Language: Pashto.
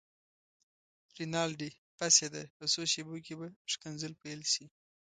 رینالډي: بس یې ده، په څو شېبو کې به ښکنځل پيل شي.